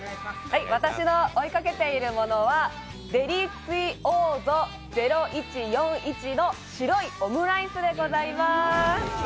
私の追いかけているものはデリツィオーゾ０１４１の白いオムライスでございます。